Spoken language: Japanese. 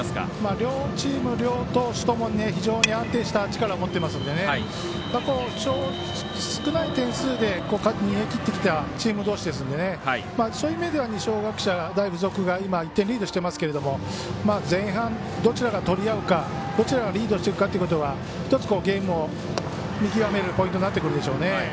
両チーム両投手ともに非常に安定した力を持ってますんで少ない点数で勝って逃げ切ってきたチーム同士ですんでそういう意味では二松学舎大付属が今、１点リードしてますけど前半、どちらが取り合うか、どちらがリードしていくかということが一つ、ゲームを見極めるポイントになってくるでしょう。